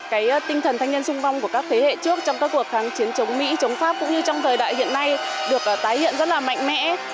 cái tinh thần thanh niên sung phong của các thế hệ trước trong các cuộc kháng chiến chống mỹ chống pháp cũng như trong thời đại hiện nay được tái hiện rất là mạnh mẽ